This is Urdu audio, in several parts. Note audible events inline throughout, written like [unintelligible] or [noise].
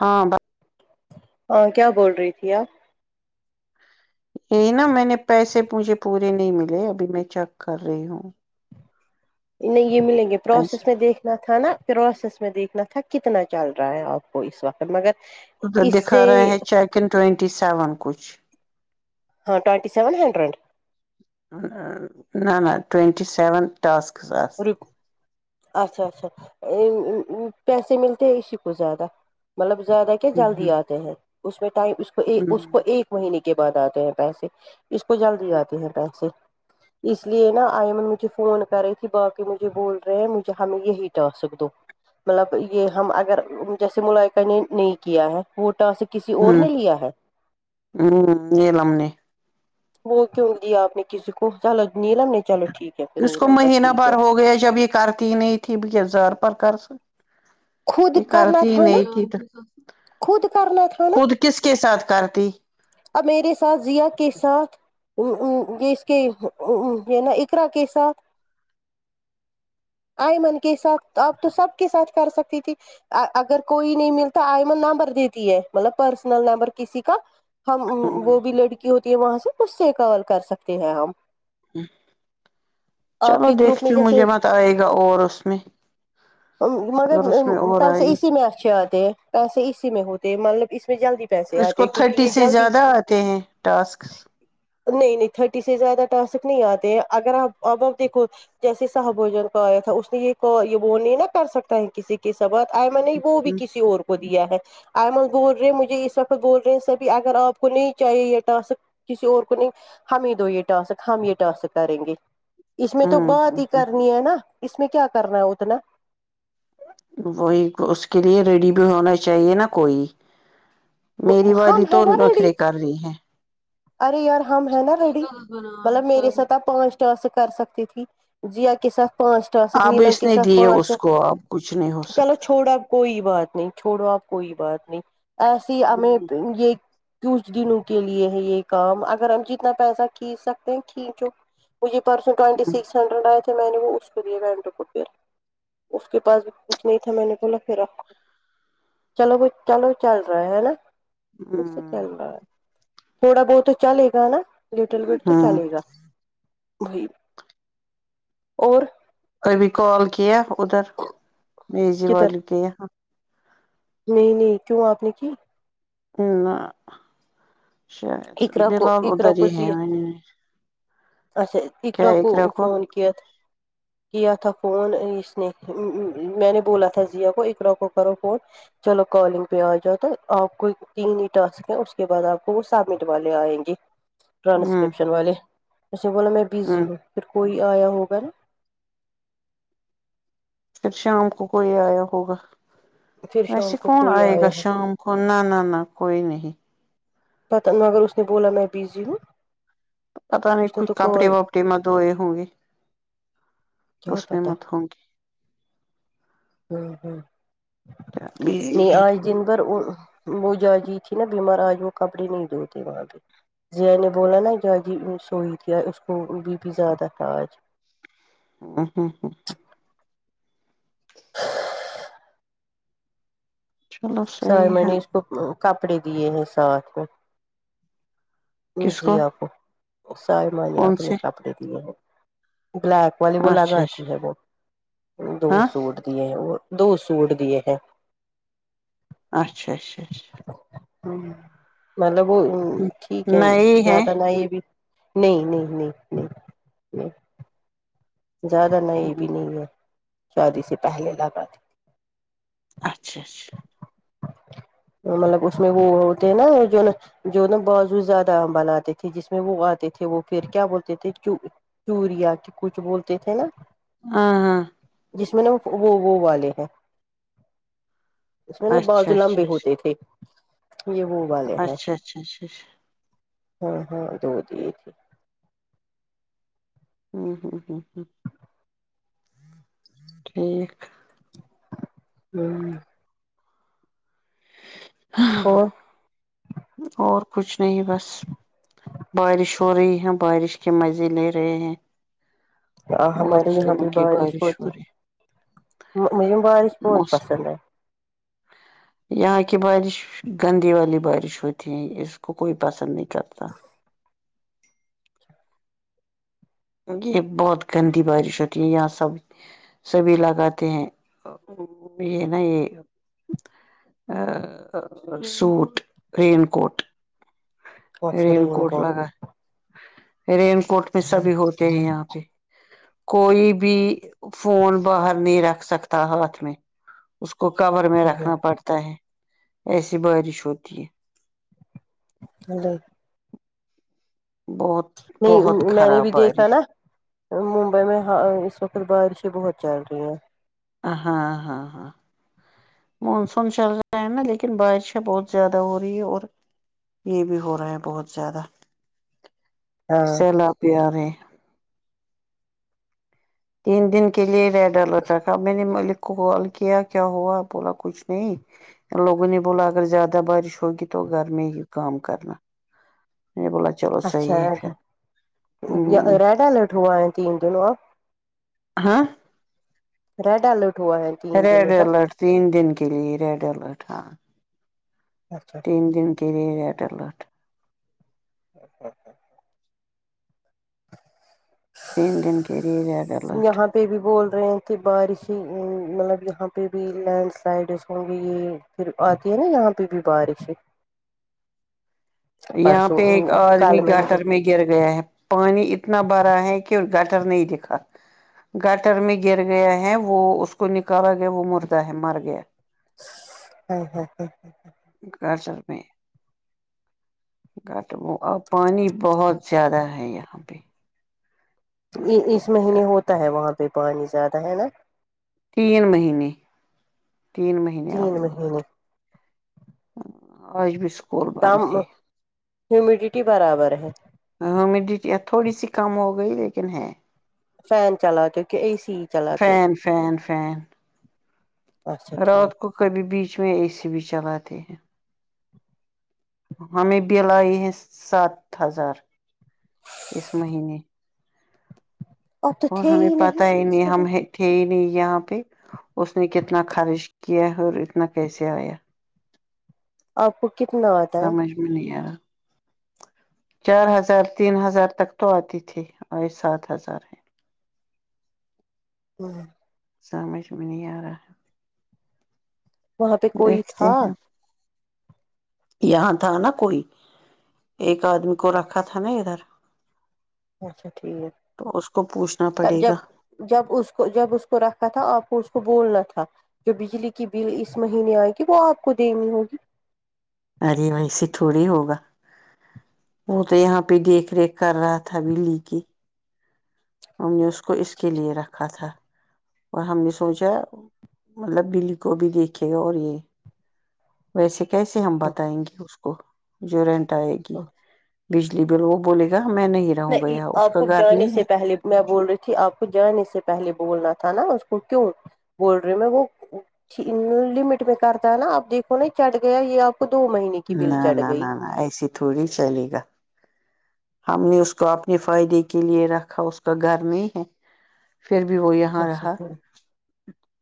ہاں ہاں کیا بول رہی تھی آپ یہی نا میں نے پیسے مجھے پورے نہیں ملے ابھی میں چیک کر رہی ہوں نہیں یہ ملیں گے پیسہ پروسیس میں دیکھنا تھا نا پروسیس میں دیکھنا تھا کتنا چل رہا ہے آپ کو اس وقت مگر ادھر اس دکھا سے رہے ہیں چیکن ٹوینٹی سیون کچھ ہاں ٹوننٹی سیون ہنریڈ نہ نا ٹونٹی سیون ٹسکس آ روپ اچھا اچھا پیسے ملتے ہیں اسی کو زیادہ مطلب زیادہ جلدی ہوں آتے ہیں اس میں ٹائم اس میں اس کو ایک اس کو ایک مہینے کے بعد آتے ہیں پیسے اس کو جلدی جاتے ہیں پیسے اس لیے نا آئیمن مجھے فون کری باقی مجھے بول رہے ہیں مجھے ہمیں یہی ٹا سک دو مطلب یہ ہم اگر جیسے ملائقہ نے نہیں کیا ہے وہ ٹاسک کسی اور نے لیا ہے ہوں لیے لم نے وہ کیوں لیا آپ نے کسی کو چلو نیلم نے چلو ٹھیک ہے پھر اس کو نیلم کا مہینہ ٹھیک ہے بھر ہو گیا جب یہ کرتی نہیں تھی زار پر کر س خود یہ کرنا کرتی تھا نا نہیں تھی تو خود کرنا تھا خود کس کے ساتھ کرتی ا میرے ساتھ ضیا کے ساتھ وہ ام ام جس کے ام ام ہے نا اقرا کے ساتھ آئمن کے ساتھ آپ تو سب کے ساتھ کر سکتی تھی اگر کوئی نہیں ملتا آئمن نمبر دیتی ہے مطلب پرسنل نمبر کسی کا ہم ہوں وہ بھی لڑکی ہوتی ہے وہاں سے اسے کول کر سکتے ہیں ہم ہ آپ چلو کے گروپ دیکھتی میں ہوں جیسے مجھے مت آئے گا اور اس میں مگر اگر اس میں اور پیسے آئے اسی میں اچھے آتے پیسے اسی میں ہوتے مطلب اس میں جلدی پیسے اس کو آتے کیونکہ تھرٹی یہ سے جلدی زیادہ آتے ہیں ٹاسک نہیں نہیں تھاٹی سے زیادہ ٹاسک نہیں آتے ہیں اگر آپ اب ا دیکھو جیسے ساہ بوجن کہایا تھا اس نے یہ کہ یہ وہ نہیں نہ کر سکتا ہے کسی کے سبت آئمن نہیں وہ بھی کسی اور کو دیا ہے ایمن بول رہے مجھے اس وقت بول رہے ہیں سبھی اگر آپ کو نہیں چاہے یہ ٹاسک کسی اور کو نہیں ہمیں دو یہ ٹاسک ہم یہ ٹاسک کریں گے اس میں تو ہوں بات ہ ہی کرنی ہے نا اس میں کیا کرنا ہے اتنا وہی تو اس کے لیے ریڈی بھی ہونا چاہیے نا کوئی میری ہم والی تو ہے نا ریڈی نخرے کر رہی ہے ارے یار ہم ہیں نا ریڈی مطلب میرے ساتھ آپ پانچ ٹس کر سکتی تھی ضیا کے ساتھ پانچ ٹاسک اب نیللم اس کے نے ساتھ دیے پانچ دا اس کو اب کچھ نہیں ہو چلو سکتا چھوڑو کوئی بات نہیں چھوڑو آپ کوئی بات نہیں ایسی ہمیں ہ یہ کچھ دنوں کے لیے ہے یہ کام اگر ہم جتنا پیسہ کھینچ سکتے ہیں کھینچو مجھے پرسوں ٹوینٹی سکس ہنڈریڈ آئے تھے میں نے وہ اس کو دیے وینٹو کو پھر اس کے پاس بھی کچھ نہیں تھا میں نے بولا پھر رکھو چلو وہ چلو چل رہا ہے ہے نا ایسے ہ چل رہا ہے تھوڑا بہت تو چلے گا نا لٹل بٹ تو ہاں چلے گا بھائی اور ا بھی کال کیا ادھر نہی جی کدھر والی کیا نہیں نہیں کیوں آپ نے کی نہ شاید اقرا کو بلال اقرا ادھر کو ہی ہے زی اچھا اقرا کو فون کیا تھا کیا تھا فون اس نے میں نے بولا تھا ضیا کو اقرا کو کرو فون چلو کالنگ پہ آ جاتا آپ کوئی تین ہی ٹاسک ہیں اسس کے بعد آپ کو سبمٹ والے آئیں گے ہوں ٹرانسکرپشن والے اسے بولا میں بزی ہوں پھر کوئی آیا ہوگا نا پھر شام کو کوئی آیا ہوگا پھر شام ویسے کو کون کوئی آئے گا آیا ہو شام نہ نہ نہ کوئی نہیں پتہ مگر اس نے بولا میں بزی ہوں پتا نہیں اس نے کچھ تو کپڑے کال وپڑے متوئے ہوں گے کیا اس میں پتا مت ہوں گے ہوں کیا بزی نہیں ہے اج دن بھر وہ جاگی تھی نا بیمار آج وہ کپڑے نہیں دھوتے وہاں پہ ذیا نے بولا نا جاگی وہ سوئی تھی اس کو بی پی زیادہ تھا آج ہاں ہاں چلو سر صحیح میں ہے نے اس کو کپڑے دیے ہیں ساتھ میں کس جی کو آپ کو سائمہ کون آپ نے سے کپڑے دیے ہیں بلیک والی وہ لگ اچھا آتی اچھا ہے وہ دو ہاں سور وہ دو سوٹ دیے ہیں اچھا اچھا اچھا مطلب وہ ٹھیک ہے نئی ہے زیادہ یہ بھی نہیں نہیں نہیں نہیں نہیں زیادہ نئی بھی نہیں ہے شادی سے پہلے لگا دی اچھا اچھا مطلب اس میں وہ ہوتے ہیں نا جو نا جو نا بازو زیادہ بناتے تھے جس میں وہ آتے تھے وہ پھر کیا بولتے تھے چوریا کے کچھ بولتے تھے نا ہاں ہاں جس میں نا وہ وہ والے ہیں اس میں نہ اچھا باجو اچھا لمبی ہوتی اچھا تھی یہ وہ والے ہیں اچھا اچھا اچھا اچھا ہاں ہاں دودی تھی ہمم ہمم ہمم ہمم ٹھیک ہوں ہو اور کچھ نہیں بس بارش ہو رہی ہے بارش کے مزے لے رہے ہیں بہت ہمارے یہاں زوروں پہ کی بارش ہو ہوتی رہی مجھے بارش بہت موسم پسند ہے یہاں کی بارش گندی والی بارش ہوتی ہے اس کو کوئی پسند نہیں کرتا یہ بہت گندی بارش ہوتی ہے یہاں سب سبھی لگاتے ہیں یہ نا یہ سوٹ رین کوٹ اچھا رین کوٹ کو لگا رین کوٹ میں سبھی ہوتا ہیں یہاں پہ کوئی بھی فون باہر نہیں رکھ سکتا ہاتھ میں اس کو کور میں رکھنا پڑتا ہے ایسی بارش ہوتی ہے [inaudible] ہے بہت بہت نہیں میں نے خراب بھی دیکھا بارش نا ممبئی میں ہ اس وقت بارشیں بہت چل رہی ہیں ہاں ہاں ہاں مانسون چل رہے ہیں نا لیکن بارشیں بہت زیادہ ہو رہی ہے اور یہ بھی ہو رہا ہے بہت زیادہ ہاں سیلاپ بھی ارے تین دن کے لیے ریڈ الت رکھا میں نے مک کال کیا کیا ہوا بولا کچھ نہیں لوگوں نے بولا اگر زیادہ بارش ہوگی تو گھر میں ہی کام کرنا میں نے بولا چلو اچھا صحیح ہے پھر ہ ریڈ الرٹ ہوا ہے تین دن اور ہاں ریڈ الرٹ ہوا ہے تین ریڈ دنوں تک الرٹ تین دن کے لیے ریڈ الرٹ ہاں اچھا اچھا تین دن ٹھیک کے لیے ریڈ الرٹ تین دن کے لیے ریڈ الرٹ یہاں پہ بھی بول رہے ہیں کہ بارشی مطلب یہاں پہ بھی لینڈ سلائڈس ہوں گی یہ پھر آتی ہے نا یہاں پہ بھی باریشیں ہے یہاں پرسوں پہ ایک آدمی کل نے گٹر میں گر گیا ہے پانی اتنا بھرا ہے کہ گٹر نہیں دکھا گٹر میں گر گیا ہے وہ اس کو نکالا گیا وہ مردہ ہے مر گیا ہوں ہوں ہوں گھر چل تھے گٹر وہ اور پانی بہت زیادہ ہے یہاں پہ پانی اس بہت مہینے زیادہ ہوتا ہے وہاں پہ پانی زیادہ ہے نا تین مہینے تین مہینے تین مہینے الموسٹ اور بسک دام ہومیڈیٹی برابر ہے ہویمیڈیٹی تھوڑی سی کم ہو گئی لیکن ہے فین چلا کے کہ اے سی چلاتے ہو فین فین فین اچھا ٹھیک رات کو کبھی بیچ میں اے سی بھی چلاتے ہیں ہمیں بل آئی ہے سات ہزار اس مہینے اب تو اور تھے ہمیں ہی پتا ہی نہیں اس میں ہم تھے ہی نہیں یہاں پہ اس نے کتنا کھرچ کیا کیا ہو اتنا کیسے آیا آپ کو کتنا آتا ہے سمجھ میں نہیں یار چار ہزار تین ہزار تک تو آتی تھی سات ہزار ہے ہوں سمجھ میں نہیں آرہا ہے وہاں پہ کوئی دیکھتے تھا ہیں [inaudible] یہاں تھا نا کوئی ایک آدمی کو رکھا تھا نا ادھر اچھا ٹھیک تو اس کو پوچھنا تب پڑے جب گا جب اس کو جب اس کو رکھا تھا آپ کو اس کو بولنا تھا جو بجلی کی بل اس مہینے آئے گی وہ آپ کو دینی ہوگی ارے ویسے تھوڑی ہوگا وہ تو یہاں پہ دیکھ ریکھ کر رہا تھا بلی کی ہم نے اس کو اس کے لیے رکھا تھا اور ہم نے سوچا مطلب بلی کو بھی دیکھے گا اور یہ ویسے کیسے ہم بتائیں گے اس کو جو رینٹ آئے گی بجلی بل وہ بولے گا میں نہیں رہوں گا اس آپ کا کو گھر جانے نہیں سے ہے پہلے میں بول رہی تھی آپ کو جانے سے پہلے بولنا تھا نا اس کو کیوں بول رہی میں وہ لمٹ میں کرتا ہے نا آپ دیکھو نہ چٹ گیا یہ آپ کو دو مہینے کی بل نہ چڑھ نہ گئی نہ نہ ایسی تھوڑی چلے گا ہم نے اس کو اپنے فائدے کے لیے رکھا اس کا گھر نہیں ہے پھر بھی وہ یہاں اچھا رہا ٹھیک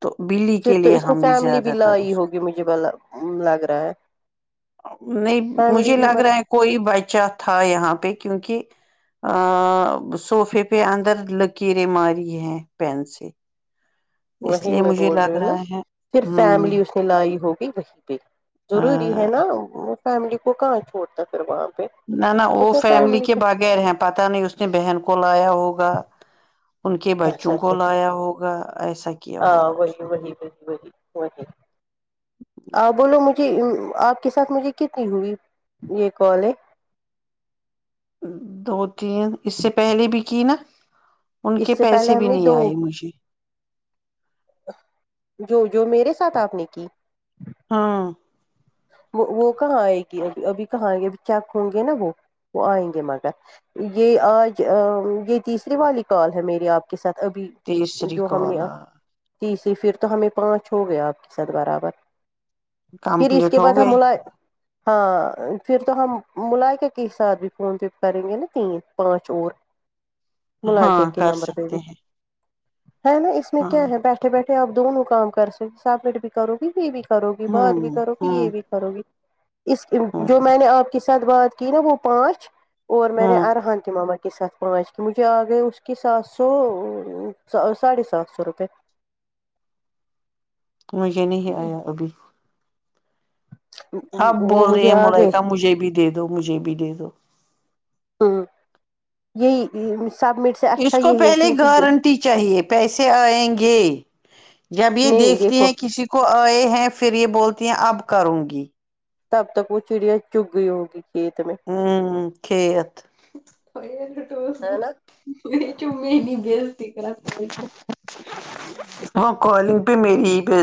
تو بلی پھر کے تو لیے اس ہم نے فیملی بھی زیادہ تر لائی اس ہوگی مجھے لگ رہا ہے نہیں فیملی مجھے بھی لگ مت رہا ہے کوئی بچہ تھا یہاں پہ کیونکہ آں سوفے پہ اندر لکیریں ماری ہیں پین سے اس وہی لیے میں مجھے بول رہی لگ ہوں نا رہا ہے پھر فیملی ہوں اس نے لائی ہوگی وہیں پہ ضروری ہے ہاں نا فیملی کو کہاں چھوڑتا پھر وہاں پہ نہ نہ وہ اس نے فیملی کے کو بغیر ہیں پتہ نہیں اس نے بہن کو لایا ہوگا ان کے اچھا بچوں کو اچھا لایا ہوگا ایسا کیا ہاں ہوگا اس وہی نے وہی وہی وہی وہی آ بولو مجھے آپ کے ساتھ مجھے کتنی ہوئی یہ کال ہے دو تین اس سے پہلے بھی کی نا ان اس کے سے پہلے پیسے ہم بھی نے نہیں دو آئے مجھے جو جو میرے ساتھ آپ نے کی ہاں وہ وہ کہاں آئے گی اب ابھی کہاں آئے گی اب چیک ہوں گے نا وہ وہ آئیں گے مگر یہ آج یہ تیسری والی کال ہے میری آپ کے ساتھ ابھی تیسری جو ہم نے کال تیسری پھر تو ہمیں پانچ ہو گیا آپ کے ساتھ برابر پھر اس کمپلیٹ کے ہو بعد ہم گئی ملائے ہاں پھر تو ہم ملائکہ کے ساتھ بھی فون پے کریں گے نا تین پانچ اور ملائکہ ہاں کے کر نمبر پہ سکتے بھی ہیں ہے نا اس میں کیا ہاں ہے بیٹھے بیٹھے آپ دونوں کام کر سکے سبمٹ بھی کرو گی یہ بھی کرو گی بات بھی ہوں کرو گی یہ ہوں بھی کرو گی اس ہوں جو میں نے آپ کی ساتھ بات کی نا وہ پانچ اور میرے ہوں ارحان کے مما کی کے سات پانچ کے مجھے آ گئے اس کی سات سو ساڑھے سات سو روپئے مجھے نہیں آیا ابھی آپ وہ بول رہی مجھے ہیں آ گئے ملائکہ مجھے بھی دے دو مجھے بھی دے دو ہوں یہی یہی سب مرچ سے اس اچھا کو پہلے گارنٹی چاہیے پیسے آئیں گے جب یہ نہیں دیکھتی دیکھو ہیں کسی کو آئے ہیں پھر یہ بولتی ہیں اب کروں گی تب تک وہ چڑیاں چگ گئی ہوگی کھیت میں ہوں کھیت [unintelligible] ہے نا وہ چ میں نہیں بےزتی کرا س [unintelligible] وہاں کالنگ پہ میری ہی پس